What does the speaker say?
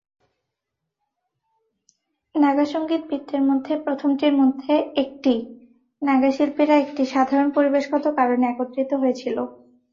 নাগা সংগীত বৃত্তের মধ্যে প্রথমটির মধ্যে একটি, নাগা শিল্পীরা একটি সাধারণ পরিবেশগত কারণে একত্রিত হয়েছিল।